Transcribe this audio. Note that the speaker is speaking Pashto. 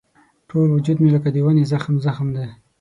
ټول وجود مې لکه ونې زخم زخم دی.